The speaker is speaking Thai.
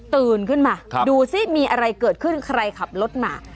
ตื่นขึ้นมาดูซิมีอะไรเกิดขึ้นใครขับรถมา